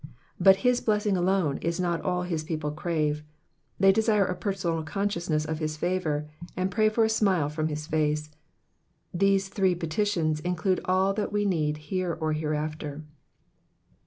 But his blessing alone is not all his people crave, they desire a personal consciousness of his favour, and pray for a smile from his face. These three petitions include all that we need here or hereafter.